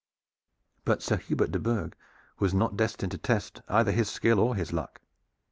But Sir Hubert de Burgh was not destined to test either his skill or his luck.